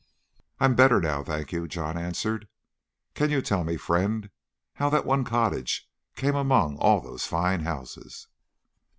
"I'm better now, thank you," John answered. "Can you tell me, friend, how that one cottage came among all those fine houses?"